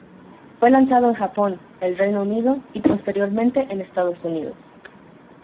Fue lanzado en Japón, el Reino Unido y posteriormente en Estados Unidos.